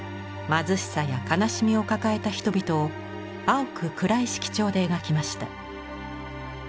貧しさや悲しみを抱えた人々を青く暗い色調で描きました。